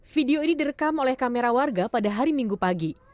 video ini direkam oleh kamera warga pada hari minggu pagi